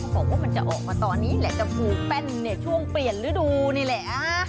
บอกว่ามันจะออกมาตอนนี้แหละจะผูกแป้นเนี่ยช่วงเปลี่ยนฤดูนี่แหละ